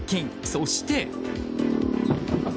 そして。